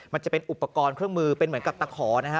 มันจะเป็นอุปกรณ์เครื่องมือเป็นเหมือนกับตะขอนะฮะ